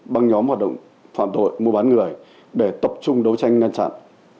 băng nhóm hoạt động phạm tội mua bán người để tập trung đấu tranh ngăn chặn